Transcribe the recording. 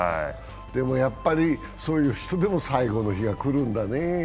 でもそういう人でも最後の日が来るんだね。